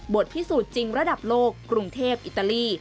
พิสูจน์จริงระดับโลกกรุงเทพอิตาลี